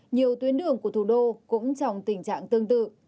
nhiều tuyến đường của thủ đô cũng trong tình trạng tương tự